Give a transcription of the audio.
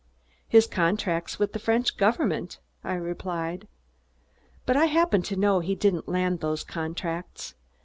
"His contracts with the French Government," I replied. "But I happen to know he didn't land those contracts.